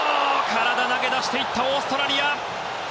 体を投げ出していったオーストラリア。